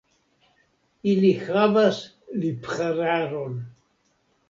Ili havas liphararon.